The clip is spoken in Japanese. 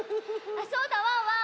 あっそうだワンワン。